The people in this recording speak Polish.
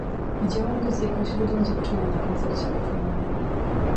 Widziałem go z jakąś rudą dziewczyną na koncercie Hoffmana.